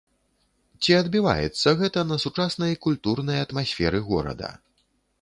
Ці адбіваецца гэта на сучаснай культурнай атмасферы горада?